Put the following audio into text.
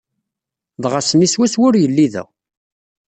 Dɣa ass-nni swaswa ur yelli da.